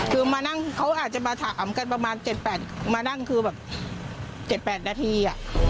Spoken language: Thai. คือมานั่งเขาอาจจะมาถามกันประมาณ๗๘นาที